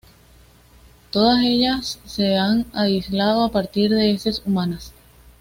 Todas ellas se han aislado a partir de heces humanas.